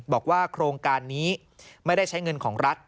บอกว่าโครงการนี้ไม่ได้ใช้เงินของรัฐ